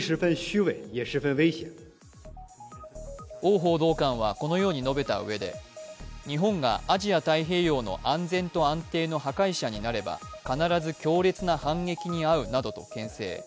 汪報道官はこのように述べたうえで、日本がアジア太平洋の安全と安定の破壊者になれば必ず強烈な反撃に遭うなどとけん制。